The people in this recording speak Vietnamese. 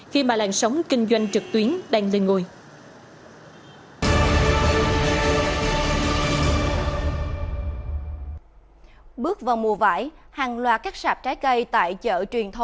khi mà làn sóng kinh doanh trực tuyến